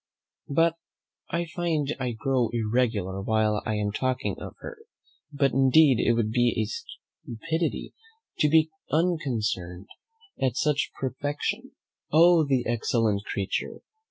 But I find I grow irregular while I am talking of her; but indeed it would be stupidity to be unconcerned at such perfection. Oh the excellent creature!